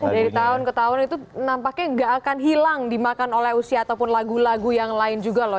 dari tahun ke tahun itu nampaknya nggak akan hilang dimakan oleh usia ataupun lagu lagu yang lain juga loh